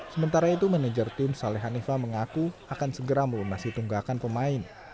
sementara itu manajer tim saleh hanifah mengaku akan segera melunasi tunggakan pemain